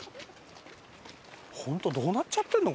本当どうなっちゃってんの？